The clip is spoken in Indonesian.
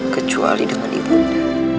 kecuali dengan ibunya